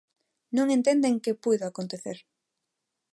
Non entenden que puido acontecer.